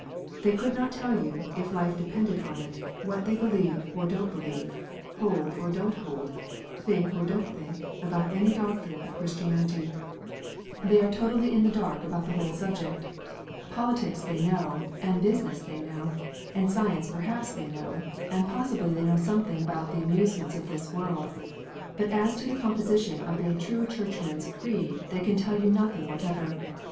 They could not tell you, if life depended on it, what they believe or don t believe, hold or don t hold, think or don t think, about any doctrine of Christianity. They are totally in the dark 62 THE THIRTY NINE ARTICLES. 63 about the whole subject. Politics they know, and business they know, and science perhaps they know, and possibly they know something about the amusements of this world. But as to the composition of a "true Churchman s" creed, they can tell you nothing whatever.